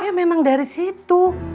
ya memang dari situ